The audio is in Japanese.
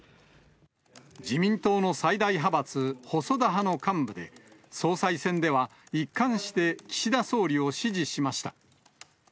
自民党の最大派閥、細田派の幹部で、総裁選では一貫して岸田総理を支持しました。